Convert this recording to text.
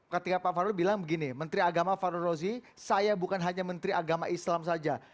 ketika pak fahru bilang begini menteri agama fahru rozi saya bukan hanya menteri agama islam saja